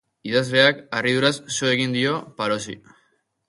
Idazleak harriduraz so egin dio Pharosi.